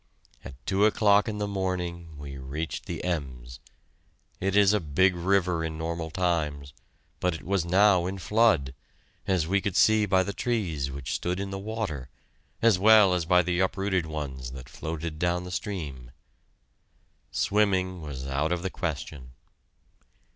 About two o'clock in the morning we reached the Ems. It is a big river in normal times, but it was now in flood, as we could see by the trees which stood in the water, as well as by the uprooted ones that floated down the stream. Swimming was out of the question.